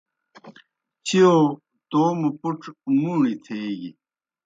چِیؤ توموْ پُڇ مُوݨیْ تھیگیْ۔